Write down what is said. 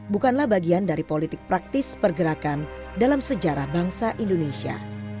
bukanlah bagian dari politik praktis pergerakan dalam sejarah bangsa indonesia